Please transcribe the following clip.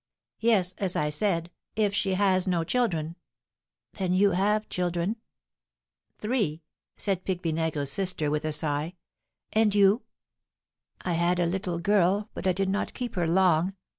'" "Yes, as I said, if she has no children." "Then you have children?" "Three!" said Pique Vinaigre's sister with a sigh. "And you?" "I had a little girl, but I did not keep her long.